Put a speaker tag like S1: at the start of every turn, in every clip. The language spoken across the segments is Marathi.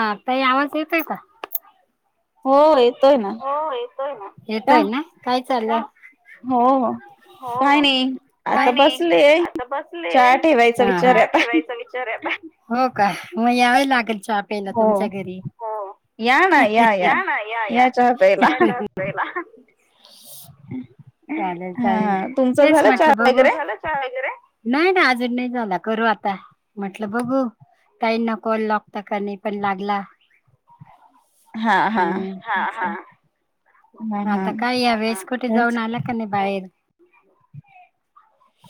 S1: हाता आवाज येतय का?
S2: होय.
S1: हो येतोय येतोय ना काय चाललं.
S2: हो. काय
S1: हो
S2: नाही
S1: काय
S2: आता
S1: नाही
S2: बसले
S1: आता बसले
S2: चहा ठेवायचा विचार
S1: का
S2: आहे आता
S1: ठेवायचा विचार आहे. हो का मग यावेळी लागत. छा पेला
S2: हो
S1: तुमच्या घरी हो या ना या या.
S2: चहा प्यायला
S1: याला चालेल चालेल
S2: हा तुमचं
S1: तेच
S2: झालं चहा
S1: म्हटलं बघू
S2: वगैरे
S1: झाला चहा वगैरे नाही ना अजून नाही झाला करू आता म्हटलं बघू. काही नको लॉगता का नाही पण लागला.
S2: हा हा
S1: हम्म हा हा.
S2: अच्छा हा हा
S1: आता काय या वेळेस कुठी
S2: तेच
S1: जाऊन आला का नाही बाहेर?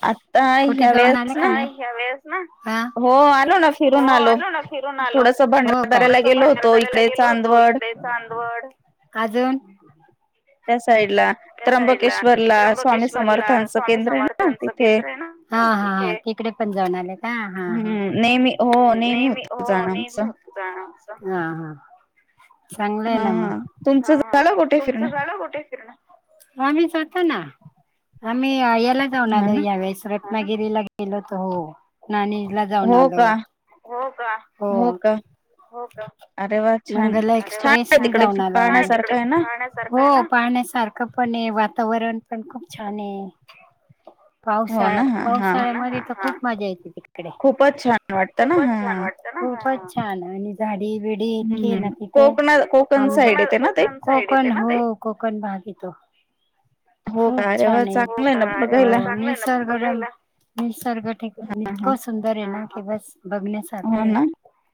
S2: आता
S1: कुठे
S2: ह्या
S1: जाऊन आला
S2: वेळेस
S1: की
S2: ना
S1: नाही? आता यावेळेस ना? हा.
S2: हो आलो ना
S1: हो
S2: फिरून
S1: आलो ना फिरून आलो.
S2: थोडस
S1: हो का?
S2: भंडारदऱ्याला
S1: थोडस
S2: गेलो
S1: भंडार
S2: होतो
S1: तऱ्याला
S2: इकडे
S1: गेलो होतो
S2: चांदवड
S1: इकडे चांदवड अजून
S2: त्या साईड
S1: त्या साईडला त्र्यंबकेश्वरला,
S2: समर्थांचं
S1: स्वामी
S2: केंद्र आहे ना
S1: समर्थांच
S2: तिथे
S1: केंद्र आहे ना, हा, हा. तिकडे पण जाऊन आले का? हा, हा.
S2: हम्म नेहमी हो नेहमी
S1: नही नही
S2: होत
S1: हो
S2: जाणं
S1: नही
S2: आमचं
S1: हो आ हा, हा. चांगलं आहे
S2: हा
S1: ना
S2: हा
S1: मग, हा,
S2: तुमचं
S1: हा.
S2: झालं कुठे फिरणं
S1: तुमचं झालं कुठे फिरणं? आम्ही जातो ना आम्ही याला जाऊन
S2: हा
S1: आलो
S2: ना
S1: यावेेळेस रत रत्नागिरीला गेलो होतो, हो. नाणीजला जाऊन
S2: हो
S1: आलो.
S2: का
S1: हो का? हो. हो का?
S2: अरे वा छान
S1: मंगल
S2: आहे छान आहे
S1: एक्सप्रेसनी
S2: तिकडे
S1: जाऊन आलो आम्ही. काय आहे तिकडे
S2: पाहण्यासारखं ना
S1: पाहण्यासारखं? हो पाहण्यासारख पण आहे वातावरण पण खूप छान आहे.
S2: हो
S1: पावसाळ
S2: ना हा हा
S1: पावसाळ्यामध्ये तर खूप मजा येते. तिकडे,
S2: खूपच छान वाटतं ना
S1: खूपच
S2: हा
S1: छान वाटत ना, खूपच छान आणि झाडी बिडी इतकी आहे
S2: हम्म
S1: ना की
S2: कोकणा कोकण साईड येते ना ते
S1: कोकण हो कोकण भाग आहे तो.
S2: हो
S1: खूप
S2: का अरे वा
S1: छान आहे. हो
S2: चांगलं ना
S1: का
S2: बघायला
S1: येवढं चांगलं हाय ना [unintelligible] निसर्गरम्य निसर्ग तेन
S2: हा हा
S1: इतकं सुंदर आहे ना की बस बघण्यासारखं
S2: हो
S1: आहे.
S2: ना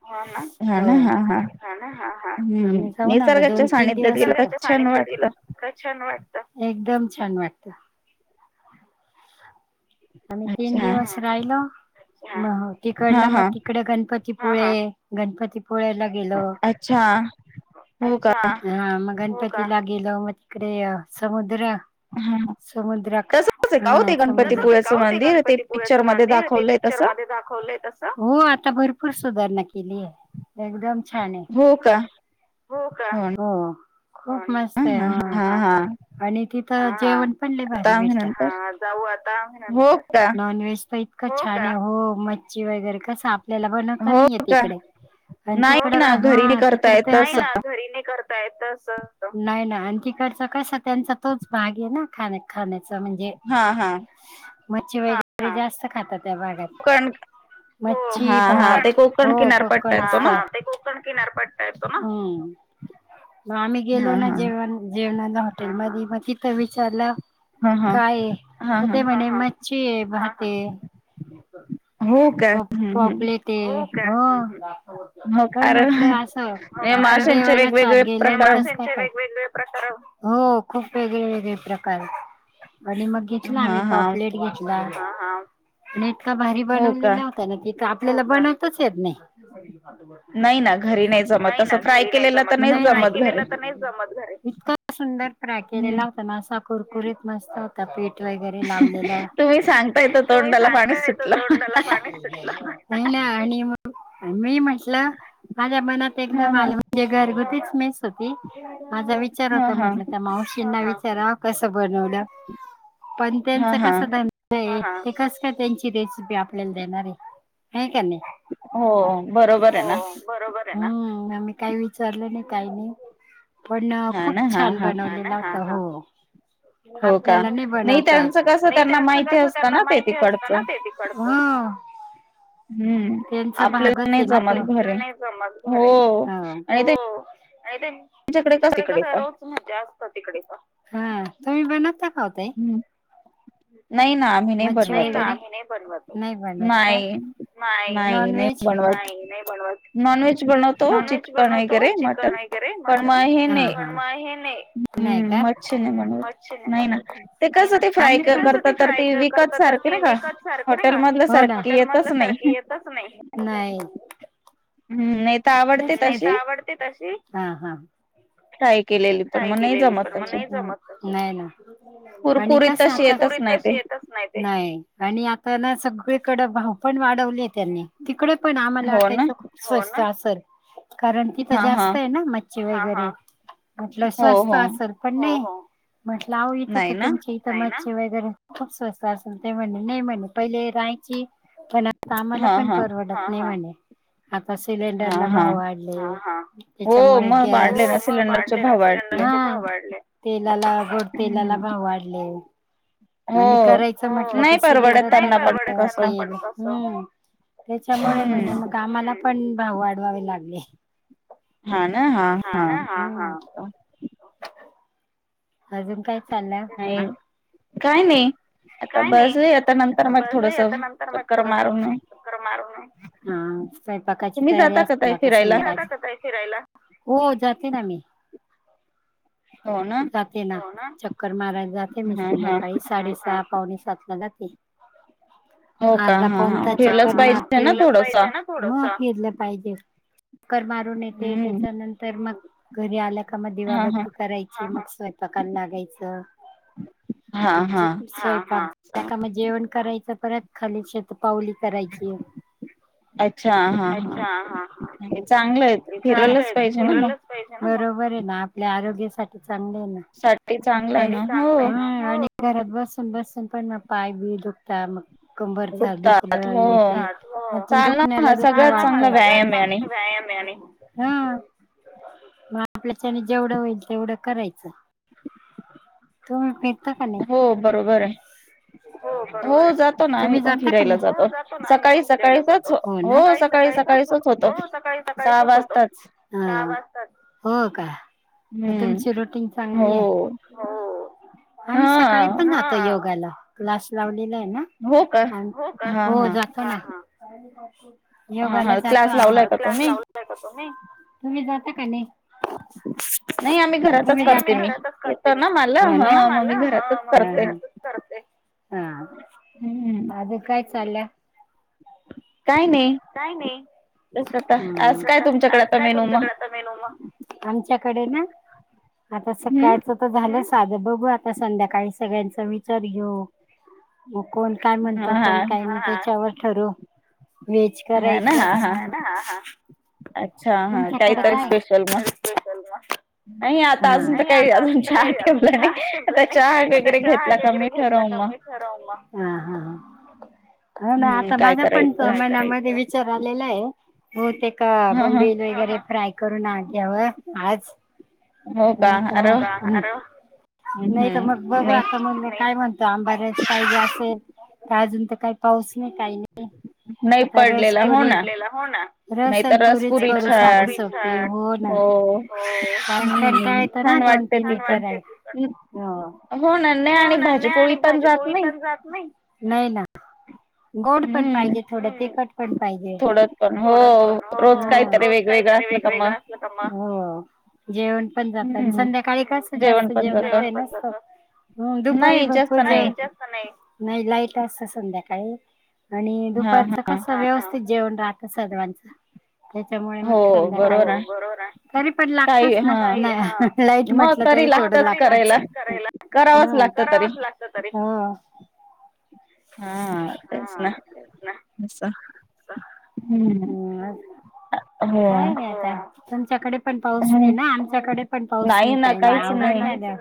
S1: हो, ना?
S2: हा ना हा हा
S1: हो,
S2: हम्म
S1: आम्ही जाऊन आलो
S2: निसर्गाच्या
S1: दोन तीन
S2: सानिध्यात
S1: दिवस
S2: गेलं का
S1: होतो.
S2: छान वाटत
S1: इतकं छान वाटतं, एकदम छान वाटत. आम्ही तीन
S2: अच्छा
S1: दिवस राहिलो, तिकडन
S2: हा
S1: मग
S2: हा
S1: तिकडं गणपती गणपतीपुळे गणपती गणपतीपुळेला गेलो.
S2: अच्छा हो का
S1: अच्छा. हा मग गणपतीला गेलो. मग तिकडं समुद्र
S2: हा
S1: समुद्राक
S2: तसच आहे का हो
S1: हा
S2: ते
S1: समुद्र का
S2: गणपतीपुळ्याचं
S1: हो ते
S2: मंदिर
S1: गणपतीपुळ्याच
S2: पिक्चर मध्ये
S1: मंदिर ते
S2: दाखवलंय तसं
S1: पिक्चरमध्ये दाखवलंय तसं? हो आता भरपूर सुधारणा केली. हो एकदम छान हाय.
S2: हो का
S1: हो का? हो. खूप मस्त आहे हा आणि ती तिथं जेवण पण लय भारी
S2: आता आम्ही
S1: भेटतं.
S2: नंतर
S1: हा जाऊ आता आम्ही
S2: हो
S1: नंतर.
S2: का
S1: नॉनव्हेज तर इतकं छान हो. मच्छी वगैरे कसं आपलं आपल्याला बनवता
S2: हो
S1: नाही येत
S2: का
S1: इकडे. पण तिकड
S2: नाही ना घरी नाही
S1: हा
S2: करता
S1: तिकड
S2: येत
S1: त्यांच
S2: तस
S1: येत तसं. नाही ना आणि तिकडच कस त्यांचा तोच भाग आहे ना ख खाण्या चा म्हणजे
S2: हा हा
S1: मच्छी वगैरे जास्त खातात त्या भागात.
S2: कोकण हा
S1: मच्छी,
S2: हा ते
S1: भात
S2: कोकण
S1: हो
S2: किनारपट्टा
S1: कोकण
S2: येतो
S1: असतं.
S2: ना
S1: हा, हा असत कोकण किनारपट्टा येतो ना. हं. मग आम्ही गेलो
S2: हा
S1: ना
S2: हा
S1: जेवण जेवणाला हॉटेलमध्ये मग तिथं विचारलं
S2: हा हा
S1: काय हाय?
S2: हा
S1: तर
S2: हा
S1: ते म्हणे मच्छी आहे, भात ये.
S2: हो का
S1: प
S2: हम्म हम्म
S1: पॉपलेट आहे. हो का? हो काय
S2: का? अरे
S1: म्हटलंय असं
S2: हे
S1: आपण
S2: माशांचे
S1: देवाला
S2: वेगवेगळे
S1: गेलोय आणि
S2: प्रकार
S1: कसं काय खा हो खूप वेगळे, वेगळे प्रकार आहेत. आणि मग घेतला
S2: हा
S1: आम्ही
S2: हा
S1: पॉप लेट घेतला. हा, हा. पण इतका भारी
S2: हो का
S1: बनवलेलं होता ना की ते तर आपल्याला बनवताच येत नाही.
S2: ना घरी जमत
S1: नाही ना
S2: तसं फ्राय
S1: घरी नाही
S2: केलेलं
S1: जमत
S2: तर नाहीच
S1: तसं ट्राय
S2: जमत घरी
S1: केलेलं तर नाहीच जमत घरी. इतका सुंदर फ्रॅय
S2: हं.
S1: केलेला होता ना, असा कुरकुरीत मस्त होता पीठ वगैरे लावलेला.
S2: सांगताय तर
S1: तुम्ही
S2: तोंडाला पाणी
S1: सांगताय ना हित
S2: सुटलं
S1: तोंडाला पाणी सुटलं. मी म्हटलं माझ्या मनात
S2: हा
S1: एकदम
S2: हा
S1: आलं म्हणजे घरगुतीच मेस मेस होती माझा विचार
S2: हा
S1: होता
S2: हा
S1: म्हणलं त्या मावशींना विच राव कसं बनवलं, पण
S2: हा
S1: त्यांचा
S2: हा
S1: कसा धंदा हाय कस काय त्यांची रेसिपी आपल्याला देणार आहे. हाय का नाही?
S2: हो बरोबर आहे ना.
S1: मी काही विचारलं नाही, काही नाही. पण
S2: हा ना
S1: खूप
S2: हा
S1: छान
S2: हा
S1: बनवलेला होत हो.
S2: हो का
S1: आपल्याला नाही बनवता येत.
S2: त्यांचं कसं त्यांना
S1: त्यांच
S2: माहिती
S1: कस
S2: असतं
S1: त्यांना
S2: ना ते
S1: माहिती असत
S2: तिकडचं
S1: ना ते तिकडच.
S2: हम्म
S1: त्यांचा
S2: आपल्याला
S1: भागच
S2: नाही
S1: आहे ना तो.
S2: जमत घरी
S1: नाही जमत
S2: हो
S1: घरी
S2: आणि
S1: हो. [unintelligible] तिकडे कस रोज मज्जा असत तिकडे तुमही बनवता. का ओ ताई.
S2: नाही ना. आम्ही नाही बनवतो.
S1: नाही बनवत. नाही बनवत काय. नाई
S2: नाही नाही
S1: नॉनव्हेज
S2: बनवत
S1: नाई-नाई बनवत.
S2: नॉनव्हेज बनवतो
S1: नॉनव्हेज
S2: चिकन
S1: बनवतो.
S2: वगैरे मटन
S1: चिकन वगैरे
S2: पण
S1: मटण
S2: मग हे नाही
S1: पण म हे नाई काय.
S2: हम्म मच्छी नाही
S1: हम्म
S2: बनवत
S1: मच्छी नाई
S2: नाही ना
S1: बनवत. आम्ही
S2: ते
S1: नाई
S2: कसं
S1: ना
S2: ते फ्राय
S1: आम्ही पण ते
S2: करतात
S1: कसं
S2: तर
S1: फ्राय कर
S2: विकत
S1: कर तर
S2: सारखे ना
S1: ती
S2: का
S1: विकत सारखी नाय
S2: हॉटेल
S1: का,
S2: मधल्या
S1: हो ना,
S2: सारखी
S1: हॉटेल
S2: येतच
S1: मधल्या
S2: नाही
S1: सारखी येतच नाई, नाही. [unintelligible]
S2: हम्म, नाय
S1: तेच ना, नाहीतर आवडते तशी, हा हा.
S2: फ्राय केलेली पण
S1: ट्राय
S2: मग नाही
S1: केलेली
S2: जमत
S1: पण मला
S2: तशी
S1: नाय जमत तशी, नाही ना, आणि
S2: कुरकुरीत
S1: कसं आता
S2: तशी येतच
S1: कुरकुरीत
S2: नाही ते
S1: तशी येतच नाय ते, नाय आणि आता ना सगळीकडं भाव पण वाढवले त्यांनी, तिकडे पण आम्हाला
S2: हो ना
S1: वाटायचं खूप स्वस्त असल. हो ना. कारण तिथं
S2: हा हा
S1: जास्त आहे ना मच्छी वगैरे, हा हा, म्हटलं स्वस्त असल हो हो पण नाई. म्हटलं आओ इथं तर
S2: नाही ना
S1: तुमची इथं, हाय ना? मच्छी वगैरे खूप स्वस्त असल ते म्हणे नाई म्हणे पहिले राहायची. पण आता आम्हाला
S2: हा
S1: पण
S2: हा
S1: परवडत नाई, हा हा म्हणे. आता
S2: हा
S1: सिलेंडरला
S2: हा
S1: भाव वाढले, हा हा
S2: हो
S1: त्याच्यामुळे
S2: मग
S1: गॅस-
S2: वाढले
S1: हो
S2: ना
S1: म वा
S2: सिलेंडरचे
S1: ढले ना
S2: भाव
S1: सिलेंडरचे
S2: वाढले
S1: भाव वाढले, हा तेलाला गोड तेलाला भाव वाढले.
S2: हो
S1: आणि करायचं म्हटलं तर
S2: नाही परवडत
S1: सिलेंडर पण नाई
S2: त्यांना
S1: परवडत
S2: कसं
S1: त्यांना पण तसं, हम्म. त्याच्यामुळे म्हणे
S2: हम्म
S1: मग आम्हाला पण भाव वाढवावे लागले. हा ना, हा हा. अजून काय चाललंय? तेच ना.
S2: नाही काय नाही, आता बसलीय आता नंतर मग थोडंस चक्कर मारून
S1: कर मारून, हा स्वयंपाकाची
S2: तुम्ही
S1: तयारी
S2: जाता का
S1: असल
S2: ताई
S1: आता संध्याकाळची?
S2: फिरायला
S1: तुम्ही जाता का ताई फिरायला? हो जाते ना मी.
S2: हो ना
S1: जाते ना, हो ना? चक्कर मारायला जाते मी
S2: हा हा
S1: संध्याकाळी, साडेसात पावणेसातला जाते.
S2: हो का
S1: अर्धा,
S2: हा
S1: पाऊण
S2: हा
S1: तास
S2: फिरलंच
S1: चक्कर
S2: पाहिजे
S1: मारते,
S2: ना
S1: फिरलच
S2: थोडस
S1: पाहिजे ना थोडसं म घेतलं पाहिजे. चक्कर मारून येते.
S2: हम्म
S1: त्याच्यानंतर मग घरी आल्या का म
S2: हा हा
S1: दिवाबत्ती करायची. मग स्वयंपाकाला लागायचं.
S2: हा हा
S1: जे स्वयपाक झाला का म जेवण करायचं. परत खाली शत पावली करायची.
S2: अच्छा हा हा चांग
S1: चांगलय फिरायलाच पाहिजे ना. बरोबर हाय ना आपल्या आरोग्यासा चांगलंय ना
S2: साठी चांगलं आहे ना
S1: चांगलंय
S2: हो
S1: हम्म. आणि घरात बसून-बसून पण म पाय बी दुखता मग कंबर च
S2: दुखतात
S1: दुखलं
S2: हो
S1: हे ते पण
S2: चाल ना हा
S1: दुखण्याला दुखणं
S2: सगळ्यात चांगला व्यायाम आहे
S1: वाढतं.
S2: आणि
S1: [inaudible] हम. मग आपल्याच्याने जेवढं होईल तेवढं करायचं तुमी
S2: हो बरोबर हाय.
S1: हो बरोबर हाय. तुम्ही जाता का
S2: फिरायला
S1: नाही. हो जातो ना आम्ही
S2: सकाळी
S1: पण फिरायला
S2: सकाळीचच
S1: जातो. हो ना
S2: सकाळी
S1: सकाळी-सकाळी सकाळीच
S2: सकाळीचच होतं
S1: हो सकाळी
S2: सहा
S1: सकाळीचच होत.
S2: वाजताच
S1: सहा वाजताच हो का. मग
S2: हम्म
S1: तुमची रुटिंग
S2: हो
S1: चांगलीय हाय.
S2: हा
S1: आणि सकाळी पण जातो योगाला. क्लास लावला. लेला हायना
S2: हो का
S1: आण हो का
S2: हा
S1: हो
S2: हा
S1: जातो ना, हा.
S2: हा
S1: योगाला
S2: हा
S1: जातो.
S2: क्लास लावलाय
S1: हा
S2: का
S1: क्लास
S2: तुम्ही
S1: लावलाय का तुम्ही.? तुम्ही जाता का नाई.
S2: नाही आम्ही घरातच
S1: तुम्ही जाताय
S2: करते
S1: नाई मी घरातच करते
S2: येतं
S1: मी
S2: ना मला
S1: हो ना
S2: हा मग मी
S1: ह
S2: घरातच
S1: म मी
S2: करते
S1: घरातच करते हा
S2: हम्म
S1: आणि काय चाललंय.
S2: काय नाही
S1: काय नाही
S2: तेच आता काय
S1: क
S2: तुमच्याकडे
S1: आज
S2: आता
S1: काय
S2: मेनू मग
S1: तुमच्याकडे आता मेनो म आमच्याकडे ना आता सकाळचं तर झालंच साधं बघू आता संध्याकाळी सगळ्यांचा विचार घेऊ कोण काय
S2: हा
S1: म्हणतो
S2: हा
S1: कोण काय मी त्याच्यावर ठरव व्हेज
S2: हा ना
S1: करायचं
S2: हा हा
S1: का
S2: अच्छा हा काही
S1: तुमच्याकडे
S2: तरी
S1: काय?
S2: स्पेशल म
S1: स्पेशल मग
S2: नाही आता अजून तर
S1: नाही
S2: काही
S1: आता
S2: अजून
S1: तर
S2: चहा
S1: काही अजून
S2: ठेवलं नाही
S1: चहा ठेवला
S2: आता
S1: नाही
S2: चहा
S1: आता
S2: वगैरे
S1: चहा
S2: घेतला का
S1: वगैरे
S2: मी
S1: घेतला
S2: ठरव
S1: का
S2: म
S1: मी ठरवू मग. हा हा हा हो ना आता माझा पण मनामध्ये विचार आलेला आहे हो ते का
S2: ह ह
S1: बोंबेल वगैरे फ्राय करून घ्याव आज
S2: हो का
S1: नाही तर
S2: अरे
S1: हो
S2: वा
S1: का अरे वाह
S2: हम्म
S1: नाही तर मग
S2: हम्म
S1: बघु
S2: नाही
S1: म्हण काय म्हणत आंबाार्याच पाहिजे असेल तर अजून तर काही पाऊस नाही काही नाही
S2: नाही
S1: आता
S2: पडलेला हो
S1: रसपुरी
S2: ना नाहीतर
S1: रसनपुरीच
S2: रसपुरी
S1: परी
S2: छान
S1: साधी सोप हो ना कंटाळा
S2: हम्म
S1: येतो ना
S2: छान
S1: दोन
S2: वाटते ती
S1: तीन
S2: पण
S1: कराय हो
S2: हो ना नाही
S1: हो
S2: आणि
S1: न्या
S2: भाजीपोळी
S1: आणि
S2: पण जात
S1: भाजीपोळी
S2: नाही
S1: पण जात नाही नाही ना गोड पण
S2: हम्म
S1: पाहिजे थोडं तिखट पण पाहिजे
S2: थोडं पण हो
S1: थोड पण हो
S2: रोज काहीतरी
S1: रोज काही
S2: वेगवेगळं
S1: त
S2: असलं का मग
S1: वेगवेगळं असल म जेवण जात
S2: हम्म
S1: संध्याकाळी कस
S2: जेवण
S1: जास्त
S2: पण
S1: जेवणाच
S2: जात
S1: हे नसत हो दुपारी
S2: नाही जास्त
S1: भरपूर जाय नाही जास्त नाही लाईट असत संध्याकाळी आणि
S2: हा हा
S1: दुपारच कस व्यवस्थित जेवण रा सर्वांच त्याच्यामुळे मग
S2: हो बरोबर आहे
S1: संध्याकाळी तरी पण
S2: काही
S1: लागतच ना
S2: हा
S1: नाही लाईट म्हटलं तरी थोडं लागतच करायला
S2: करावंच
S1: हा
S2: लागत तरी
S1: करावच लागत तरी हो
S2: हा तेच ना नास
S1: ह
S2: हो
S1: काय आता तुमच्याकडे पण पाऊस नाही
S2: हम्म
S1: ना आमच्याकडे पण पाऊस नाही
S2: ना
S1: काही नाही
S2: काहीच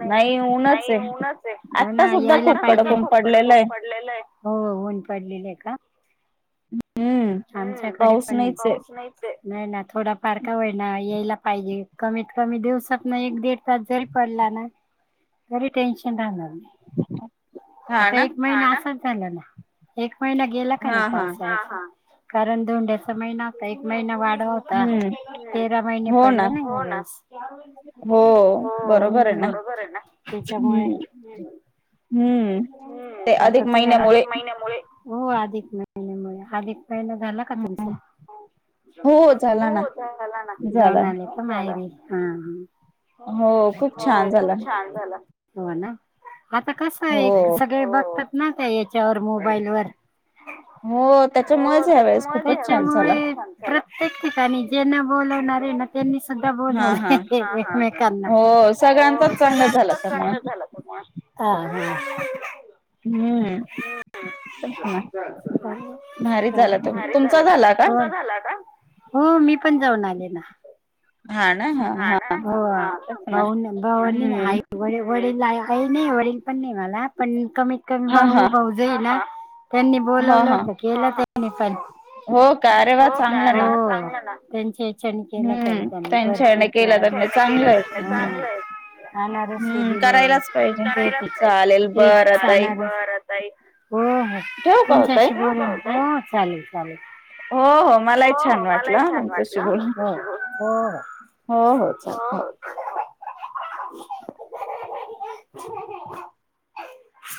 S2: नाही ऊनच
S1: उनाच आहे हो
S2: आता
S1: ना
S2: सुद्धा
S1: यायला
S2: खूप कडक
S1: पाहिजेन
S2: ऊन पडलेलं
S1: [unintelligible]
S2: आहे
S1: पडलेलं आहे हो ऊन पडलेलं आहे का [inaudible]
S2: हम्म
S1: आमच्याकडे
S2: पाऊस
S1: पण नाही
S2: नाहीच आहे
S1: पाऊस नाहीच ये नाही ना थोडा पार का होईना यायला पाहिजे कमीत कमी दिवसातन एक दीड तास जरी पडला तरी टेन्शन राहणार
S2: हा
S1: आता
S2: ना
S1: एक महिना असाच झाला ना एक महिना गेला का
S2: हा
S1: नाही
S2: हा
S1: पावसाचा कारण दोंड्याचा महिना होता एक महिना वाढ होता
S2: हम्म
S1: तेरा महिने पडले ना यावेळेस
S2: हो
S1: हो
S2: बरोबर आहे ना
S1: बरोबर आहे ना त्याच्यामुळे
S2: हम्म हम्म ते
S1: हम्म आता
S2: अधिक
S1: तुम्ही
S2: महिन्यामुळे
S1: महिन्यामुळे हो अधिक महिन्यामुळे अधिक महिना झाला का तुमचा हो
S2: झाला ना.
S1: हो झाला ना
S2: झाला
S1: जाऊन आले पण मायरी हा ह
S2: हो खूप
S1: हो
S2: छान झाला
S1: खूप छान झाला हो ना आता कसं आहे
S2: हो.
S1: सगळे बघतात ना त्या याच्यावर मोबाईल वर
S2: हो
S1: हो
S2: त्याच्यामुळेच
S1: त्या
S2: ह्या वेळेस खूपच छान झाला
S1: त्याच्यामुळे प्रत्येक ठिकाणी जेना बोलावणारे त्यांनी सुद्धा
S2: हा हा
S1: बोलवले एकमेकांना [unintelligible]
S2: हो सगळ्यांचाच चांगला झाला त्यामुळे
S1: हा हा
S2: हां भारी झाला तुम तुमचा झाला का
S1: [unintelligible] हो मी पण जाऊन आले ना हा ना
S2: तेच ना
S1: बनी
S2: हम्म
S1: बवनीई व वल काही नाही वरिंग पण नाही मला पण कमीत कमी
S2: हा हा
S1: भाऊ भाऊज ये ना त्यांनी
S2: हा
S1: बोलावलं
S2: हा
S1: होत केलं त्यांनी पण
S2: हो का अरे वा
S1: हो
S2: चांगलं ना
S1: चण केला तरी
S2: हम्म
S1: त्यानी
S2: त्यांच्याने
S1: भरपूर
S2: केलं
S1: केला चण
S2: त्यांनी
S1: केला
S2: चांगलं आहे
S1: ते
S2: चांगलं
S1: चांगले आहे अनारस
S2: हम्म
S1: दिले
S2: करायलाच पाहिजे
S1: करायलाच पाहिजे
S2: चालेल बरं ताई
S1: [unintelligible] हो हो
S2: ठेवू का ओ ताई
S1: तुमच्याशीि बला हो चालेल चालेल
S2: मलाही
S1: हो
S2: छान वाटलं
S1: हो
S2: तुमच्याशी बोलून
S1: मलाही छान
S2: हो हो चालेल हो
S1: वाटलं हो हो होओ हो [inaudible]